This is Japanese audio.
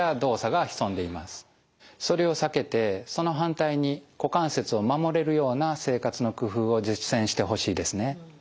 それを避けてその反対に股関節を守れるような生活の工夫を実践してほしいですね。